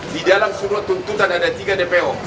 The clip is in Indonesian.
di dalam surat tuntutan ada tiga dpo